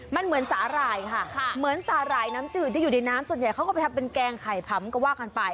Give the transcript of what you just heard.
มันเหมือนสาหร่ายค่ะเหมือนสาหร่ายน้ำจืดที่อยู่ในน้ำส่วนใหญ่เขาก็ไปทำเป็นแกงไข่พำก็ว่ากันไป